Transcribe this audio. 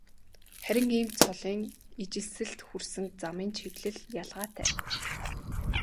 Харин ийм цолын ижилсэлд хүрсэн замын чиглэл ялгаатай.